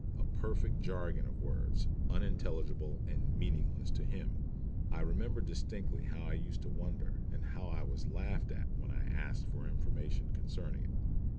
A perfect jargon of words, unintelligible and meaningless to him! I remember distinctly how I used to wonder, and how I was laughed at when I asked for information concerning it.